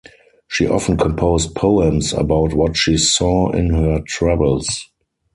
She often composed poems about what she saw in her travels.